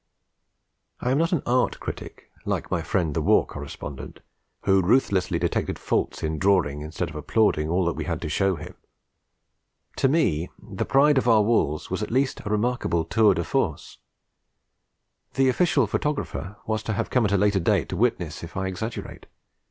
I am not an art critic, like my friend the war correspondent, who ruthlessly detected faults in drawing, instead of applauding all we had to show him; to me, the pride of our walls was at least a remarkable tour de force. The Official Photographer was to have come at a later date to witness if I exaggerate.